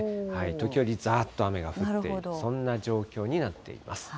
時折ざーっと雨が降っている、そんな状況になっています。